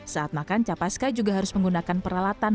saat makan capaska juga harus menggunakan peralatan